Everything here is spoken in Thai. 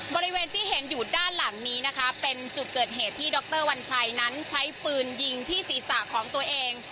บริเวณที่เห็นอยู่ด้านหลังนี้นะคะเป็นจุดเกิดเหตุที่ดรวัญชัยนั้นใช้ปืนยิงที่ศีรษะของตัวเอง